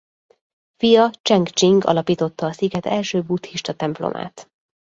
Fia Cseng Csing alapította a sziget első buddhista templomát.